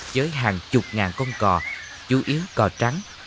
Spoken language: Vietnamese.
với hàng chục ngàn con cò chủ yếu cò trắng